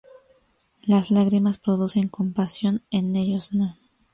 Las lágrimas producen compasión; en ellos no.